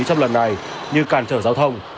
trong lần này như càn trở giao thông